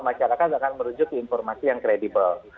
masyarakat akan merujuk ke informasi yang kredibel